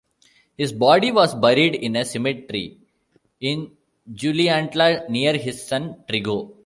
His body was buried in a cemetery in Juliantla near his son Trigo.